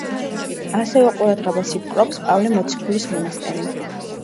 ასევე ყურადღებას იპყრობს პავლე მოციქულის მონასტერი.